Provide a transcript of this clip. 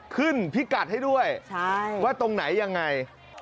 พิกัดให้ด้วยว่าตรงไหนยังไง